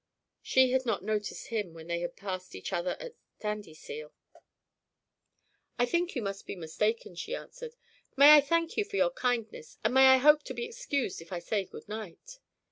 She had not noticed him when they had passed each other at Sandyseal. "I think you must be mistaken," she answered. "May I thank you for your kindness? and may I hope to be excused if I say good night?"